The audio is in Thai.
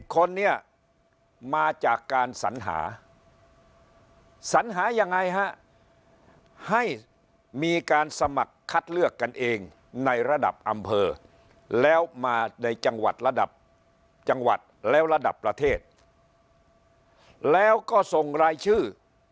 คนเนี่ยมาจากการสัญหาสัญหายังไงฮะให้มีการสมัครคัดเลือกกันเองในระดับอำเภอแล้วมาในจังหวัดระดับจังหวัดแล้วระดับประเทศแล้วก็ส่งรายชื่อ